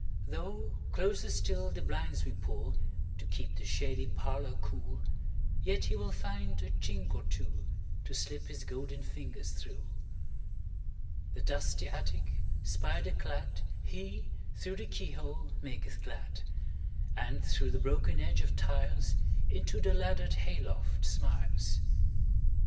Though closer still the blinds we pullTo keep the shady parlour cool, Yet he will find a chink or twoTo slip his golden fingers through. The dusty attic spider cladHe, through the keyhole, maketh glad; And through the broken edge of tiles, Into the laddered hay loft smiles.